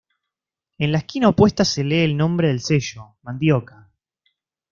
En la esquina opuesta se lee el nombre del sello: Mandioca.